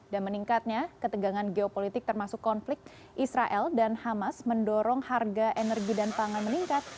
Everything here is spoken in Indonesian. dan meningkatnya ketegangan geopolitik termasuk konflik israel dan hamas mendorong harga energi dan pangan meningkat